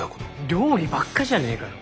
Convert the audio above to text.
料理ばっかじゃねえかよ。